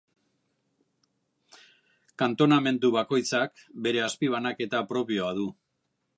Kantonamendu bakoitzak bere azpibanaketa propioa du.